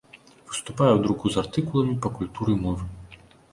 Выступае ў друку з артыкуламі па культуры мовы.